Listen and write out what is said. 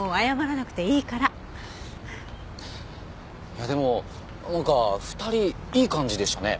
いやでもなんか２人いい感じでしたね。